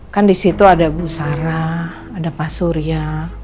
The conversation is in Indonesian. kan disitu ada bu sarah ada pak surya